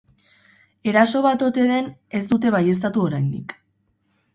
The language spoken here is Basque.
Eraso bat ote den ez dute baieztatu oraindik.